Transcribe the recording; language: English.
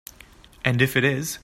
And if it is?